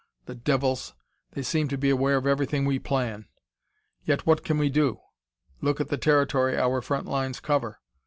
The devils! They seem to be aware of everything we plan. Yet what can we do? Look at the territory our front lines cover!